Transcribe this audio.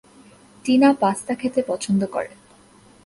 Tina pasta খেতে পছন্দ করে।